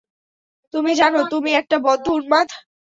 তুমি জানো, তুমি একটা বদ্ধ উন্মাদ?